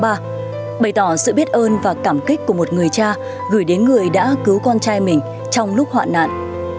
bày tỏ sự biết ơn và cảm kích của một người cha gửi đến người đã cứu con trai mình trong lúc hoạn nạn